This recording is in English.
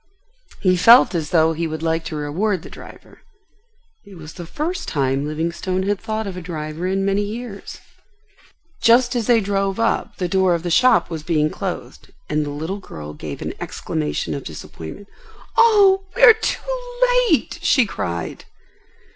He felt as though he would like to reward the driver. It was the first time Livingstone had thought of a driver in many years. Just as they drove up the door of the shop was being closed, and the little girl gave an exclamation of disappointment. "Oh, we are too late!" she cried.